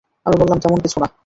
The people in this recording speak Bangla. আমি বললাম, তেমন কিছু না।